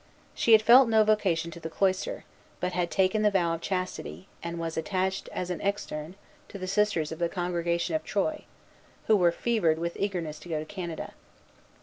She had felt no vocation to the cloister, but had taken the vow of chastity, and was attached, as an externe, to the Sisters of the Congregation of Troyes, who were fevered with eagerness to go to Canada.